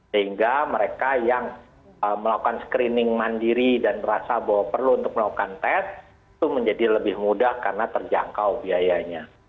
sehingga mereka yang melakukan screening mandiri dan merasa bahwa perlu untuk melakukan tes itu menjadi lebih mudah karena terjangkau biayanya